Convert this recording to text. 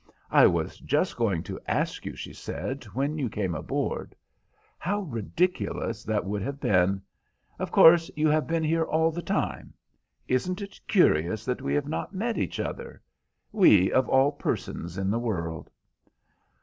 "I was just going to ask you," she said, "when you came aboard. How ridiculous that would have been. Of course, you have been here all the time. Isn't it curious that we have not met each other?—we of all persons in the world."